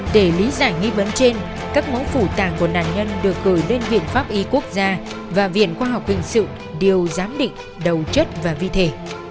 để lý giải nghi vấn trên các mẫu phủ tàng của nạn nhân được gửi lên viện pháp y quốc gia và viện khoa học hình sự đều giám định đầu chất và vi thể